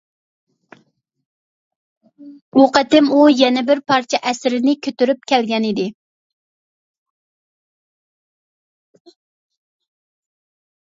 بۇ قېتىم ئۇ يەنە بىر پارچە ئەسىرىنى كۆتۈرۈپ كەلگەنىدى.